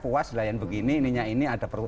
puas layan begini ini ada